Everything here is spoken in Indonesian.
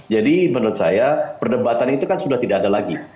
jadi menurut saya perdebatan itu kan sudah tidak ada lagi